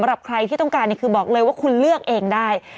ว่าคุณเลือกเองได้